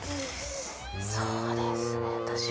そうですね私は。